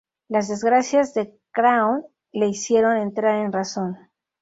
Las desgracias de Craon le hicieron entrar en razón.